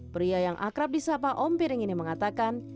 pria yang akrab di sapa om piring ini mengatakan